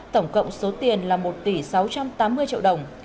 tổng cộng số tiền là một tỷ sáu trăm tám mươi triệu đồng